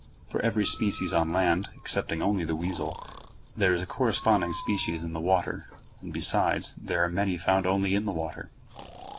For every species on land, excepting only the weasel, there is a corresponding species in the water, and, besides, there are many found only in the water.